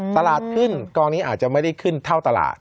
ตลาดขึ้นกองนี้อาจจะไม่ได้ขึ้นเท่าตลาด